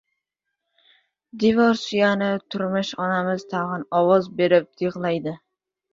Devor suyanib turmish onamiz tag‘in ovoz berib yig‘laydi.